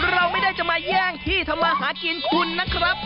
เราไม่ได้จะมาแย่งที่ทำมาหากินคุณนะครับ